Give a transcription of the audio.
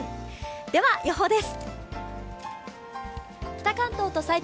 では予報です。